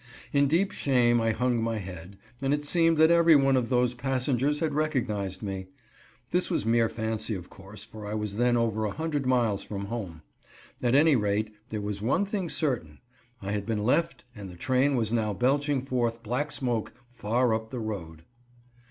In deep shame I hung my head, and it seemed that everyone of those passengers had recognized me. This was mere fancy, of course, for I was then over a hundred miles from home. At any rate, there was one thing certain. I had been left and the train was now belching forth black smoke far up the road.